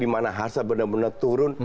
dimana harsa benar benar turun